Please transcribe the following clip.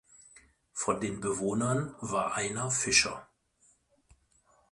Von den Bewohnern war einer Fischer.